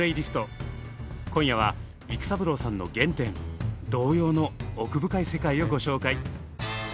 今夜は育三郎さんの原点「童謡」の奥深い世界をご紹介。